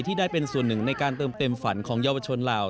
ได้เป็นส่วนหนึ่งในการเติมเต็มฝันของเยาวชนเหล่า